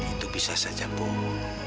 surat itu bisa saja bohong